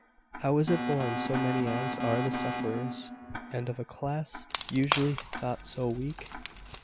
'" "How is it borne so many as are the sufferers, and of a class usually thought so weak?"